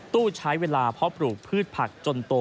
ตู้ใช้เวลาเพราะปลูกพืชผักจนโต